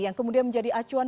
yang kemudian menjadi acuan